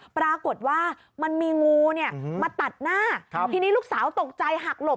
ปรากฏว่ามันมีงูเนี่ยมาตัดหน้าทีนี้ลูกสาวตกใจหักหลบ